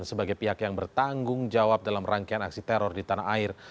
sebagai pihak yang bertanggung jawab dalam rangkaian aksi teror di tanah air